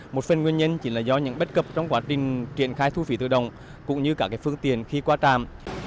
một phần nguyên nhân chỉ là do những bất cập trong quá trình triển khai thu phí tự động cũng như cả phương tiện khi qua trạm